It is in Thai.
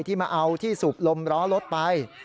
ที่มาเอาที่สุขลมรอรจไป